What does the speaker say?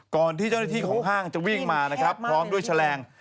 ก่อนที่เจ้าหน้าที่ของห้างจะวิ่งมานะครับพร้อมด้วยแฉลง